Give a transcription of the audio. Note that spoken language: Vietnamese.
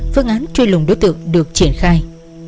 phương án truy lùng đối tượng được triển khai